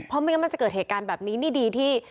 เพราะไม่งั้นมันจะเกิดเหตุการณ์แบบนี้นี่ดีที่